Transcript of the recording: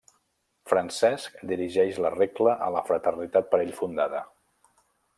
Francesc dirigeix la Regla a la fraternitat per ell fundada.